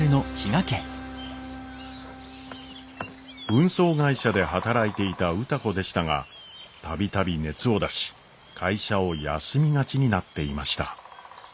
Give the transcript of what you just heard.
運送会社で働いていた歌子でしたが度々熱を出し会社を休みがちになっていました。